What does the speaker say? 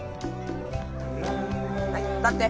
はい立って。